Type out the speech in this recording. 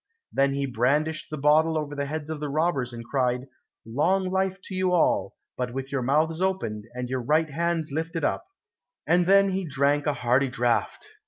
Then he brandished the bottle over the heads of the robbers, and cried, "Long life to you all, but with your mouths open and your right hands lifted up," and then he drank a hearty draught.